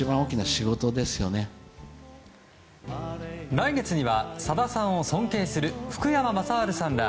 来月にはさださんを尊敬する福山雅治さんら